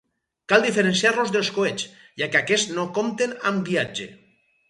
Cal diferenciar-los dels coets, ja que aquests no compten amb guiatge.